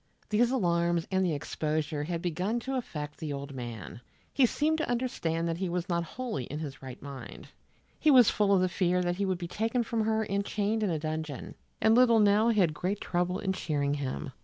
These alarms and the exposure had begun to affect the old man. He seemed to understand that he was not wholly in his right mind. He was full of the fear that he would be taken from her and chained in a dungeon, and little Nell had great trouble in cheering him.